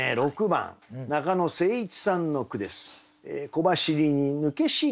６番中野誠一さんの句です。